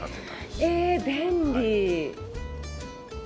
え便利。